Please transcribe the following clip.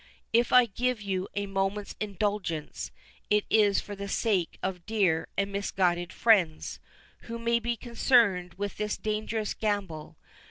If I give you a moment's indulgence, it is for the sake of dear and misguided friends, who may be concerned with this dangerous gambol.